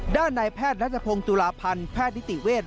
ด้านในแพทย์นัชพงศ์จุลาพันธ์แพทย์นิติเวช